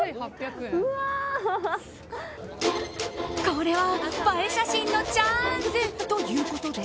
これは映え写真のチャンスということで。